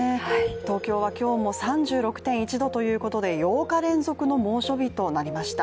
東京は今日も３６．１度ということで８日連続の猛暑日となりました。